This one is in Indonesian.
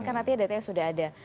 karena nanti ada data yang sudah ada